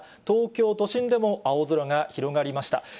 東京都心でも青空が広がりました。